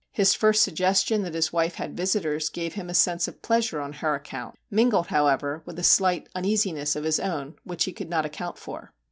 His first suggestion that his wife had visitors gave him a sense of pleasure on her account, mingled, however, with a slight uneasiness of his own which he could not account for.